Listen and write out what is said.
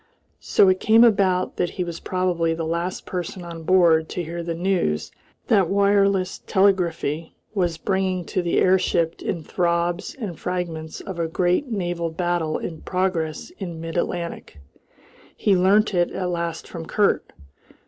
So it came about that he was probably the last person on board to hear the news that wireless telegraphy was bringing to the airship in throbs and fragments of a great naval battle in progress in mid Atlantic. He learnt it at last from Kurt.